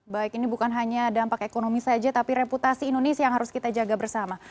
baik ini bukan hanya dampak ekonomi saja tapi reputasi indonesia yang harus kita jaga bersama